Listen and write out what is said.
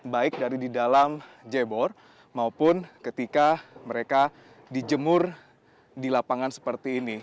baik dari di dalam jebor maupun ketika mereka dijemur di lapangan seperti ini